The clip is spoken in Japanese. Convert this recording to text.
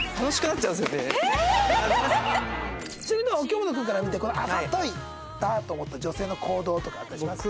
ちなみに京本君から見てこれあざといなと思った女性の行動とかあったりしますか？